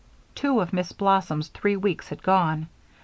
Two of Miss Blossom's three weeks had gone.